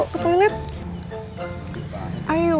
ada apa yang merintah bahaya ku